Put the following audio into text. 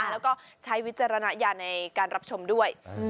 แล้วก็ใช้วิจารณญาณในการรับชมด้วย